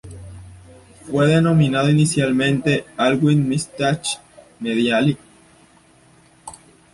Fue denominado inicialmente "Alwin-Mittasch-Medaille".